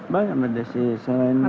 banyak mbak desi selain petani